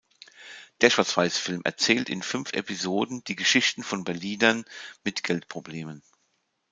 Der Schwarzweißfilm erzählt in fünf Episoden die Geschichten von Berlinern mit Geldproblemen.